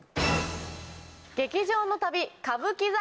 劇場の旅歌舞伎座